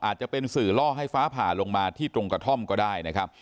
อาจจะเป็นสื่อล่อให้ฟ้าผ่าลงมาที่ตรงกระท่อมก็ได้นะครับ